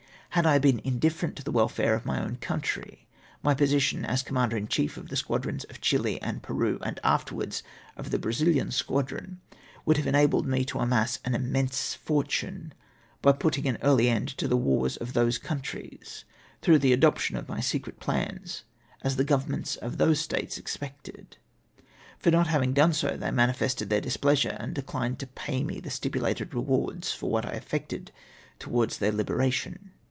Had I been indifferent to the w^elflire of my own country, my position, as Commander in Chief of the squadrons of Chih and Peru, and afterwards of the Brazihan squadron, would have enabled me to amass an immense fortune, by putting an early end to the wars of those countries through the adoption of secret plans, as the Governments of those states expected. For not having done so, they manifested their displeasure and declined to pay me the stipulated rewards for Avhat I effected towards their liberation.